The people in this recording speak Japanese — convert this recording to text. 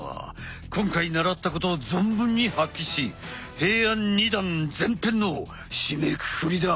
今回習ったことを存分に発揮し平安二段前編の締めくくりだ！